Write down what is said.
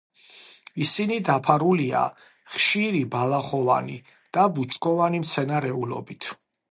ისინი დაფარულია ხშირი ბალახოვანი და ბუჩქოვანი მცენარეულობით.